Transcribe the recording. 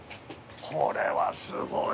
これはすごい。